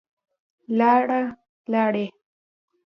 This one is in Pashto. لاړه, لاړې